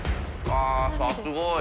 あっすごい。